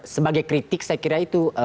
sebagai kritik saya kira itu